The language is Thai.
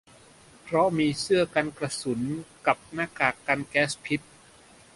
เพราะมีเสื้อกันกระสุนกับหน้ากากกันแก๊สพิษ